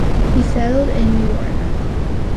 He settled in New York.